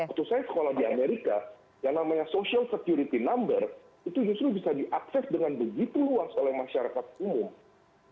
waktu saya sekolah di amerika yang namanya social security number itu justru bisa diakses dengan begitu luas oleh masyarakat umum